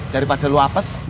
daripada lu apes